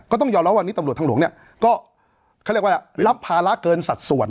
ต้องยอมรับวันนี้ตำรวจทางหลวงเนี่ยก็เขาเรียกว่ารับภาระเกินสัดส่วน